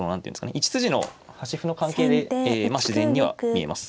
１筋の端歩の関係で自然には見えます。